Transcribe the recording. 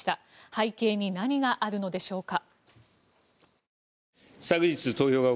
背景に何があるのでしょうか。